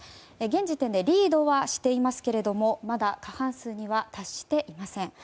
現時点でリードはしていますがまだ、過半数には達していません。